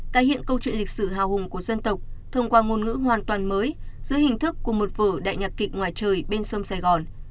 tái hiện câu chuyện lịch sử hào hùng của dân tộc thông qua ngôn ngữ hoàn toàn mới giữa hình thức của một vở đại nhạc kịch ngoài trời bên sông sài gòn